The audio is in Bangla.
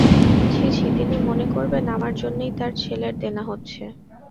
ছি ছি, তিনি মনে করবেন আমার জন্যই তাঁর ছেলের দেনা হচ্ছে।